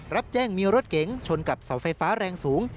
รับแจ้งมีรถเก๋งชนกับเสาไฟฟ้าแรงสูง